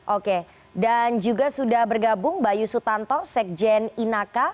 oke dan juga sudah bergabung bayu sutanto sekjen inaka